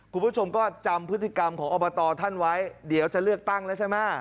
คุณผู้ชมก็จำพฤติกรรมของอบตท่านไว้เดี๋ยวจะเลือกตั้งแล้วใช่ไหม